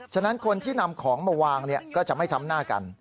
ฉะนั้นคนที่นำของมาวางก็จะไม่ซ้ำหน้ากัน